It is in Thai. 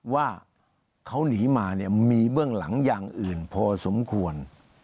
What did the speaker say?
ว่าเขาหนีมาเนี่ยมีเบื้องหลังอย่างอื่นพอสมควร